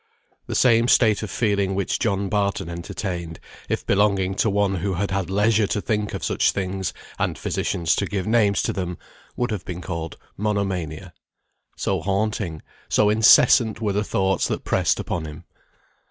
The same state of feeling which John Barton entertained, if belonging to one who had had leisure to think of such things, and physicians to give names to them, would have been called monomania; so haunting, so incessant, were the thoughts that pressed upon him.